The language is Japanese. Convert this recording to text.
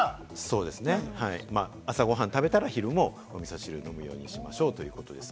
朝ご飯を食べたら昼もおみそ汁、とるようにしましょうってことです。